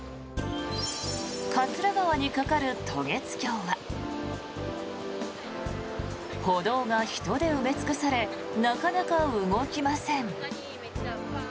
桂川に架かる渡月橋は歩道が人で埋め尽くされなかなか動きません。